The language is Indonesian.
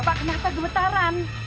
bapak kenapa gemetaran